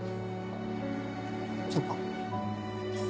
そっか。